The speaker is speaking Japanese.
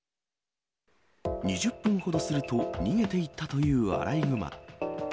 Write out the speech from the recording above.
２０分ほどすると逃げていったというアライグマ。